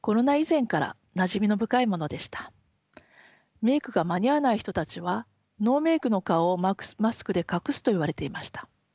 メークが間に合わない人たちはノーメークの顔をマスクで隠すといわれていました。